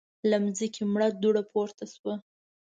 له ځمکې مړه دوړه پورته شوه.